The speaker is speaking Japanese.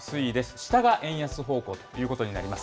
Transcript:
下が円安方向ということになります。